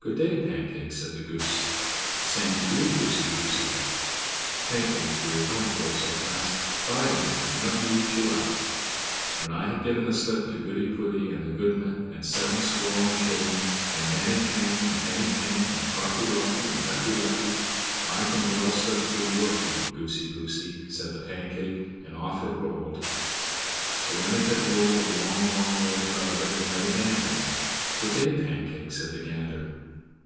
"Good day, Pancake," said the goose. "The same to you, Goosey poosey." "Pancake, dear, don't roll so fast; bide a bit and let me eat you up." "When I have given the slip to Goody poody, and the goodman, and seven squalling children, and Manny panny, and Henny penny, and Cocky locky, and Ducky lucky, I can well slip through your feet, Goosey poosey," said the Pancake, and off it rolled. So when it had rolled a long, long way farther, it met a gander. "Good day, Pancake," said the gander.